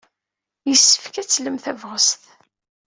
Yessefk ad tlem tabɣest.